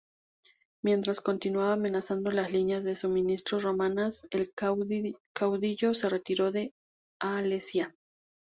Mientras continuaba amenazando las líneas de suministros romanas, el caudillo se retiró a Alesia.